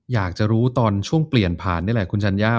อยากจะรู้ตอนช่วงเปลี่ยนผ่านนี่แหละคุณชัญญา